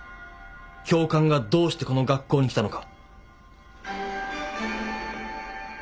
教官がどうしてこの学校に来たのか。